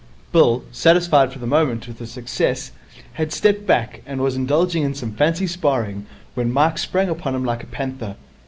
Bill, satisfied for the moment with his success, had stepped back, and was indulging in some fancy sparring, when Mike sprang upon him like a panther.